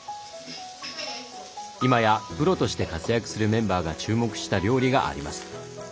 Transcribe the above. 今やプロとして活躍するメンバーが注目した料理があります。